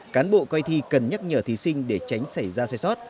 cán bộ coi thi cần nhắc nhở thí sinh để tránh xảy ra sai sót